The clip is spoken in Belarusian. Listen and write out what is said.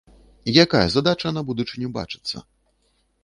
Якая задача на будучыню бачыцца?